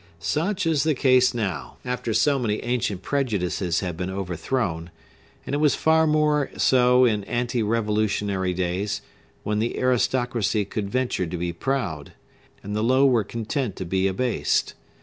Such is the case now, after so many ancient prejudices have been overthrown; and it was far more so in ante Revolutionary days, when the aristocracy could venture to be proud, and the low were content to be abased.